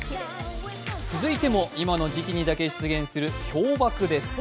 続いても今の時期にだけ出現する氷ばくです。